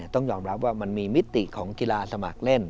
ต้องยอมรับว่ามันมีมิติของกีฬาสมัครเล่น